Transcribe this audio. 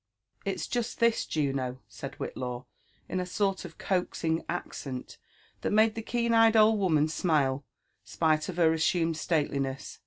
'*It's just this, Juno," said Whillaw, in a sort of coaxing accent that made the keen*eyed old woman smile, spite of her assumed slateliness.